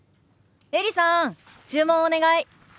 エリさん注文お願い。